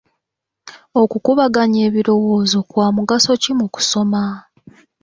Okukubaganya ebirowoozo kwa mugaso ki mu kusoma?